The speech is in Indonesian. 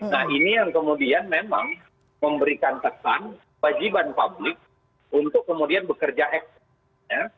nah ini yang kemudian memang memberikan pesan wajiban publik untuk kemudian bekerja ekstra